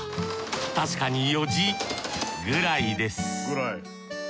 確かに４時くらいです